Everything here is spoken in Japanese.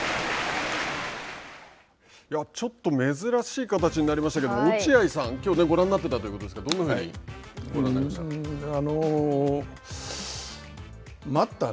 ちょっと珍しい形になりましたけれども、落合さん、きょうご覧になってたということですがどんなふうにご覧になりましたか。